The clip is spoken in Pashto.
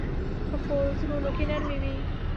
پخو زړونو کې نرمي وي